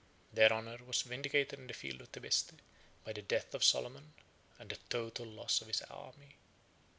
Their honor was vindicated in the field of Tebeste, by the death of Solomon, and the total loss of his army.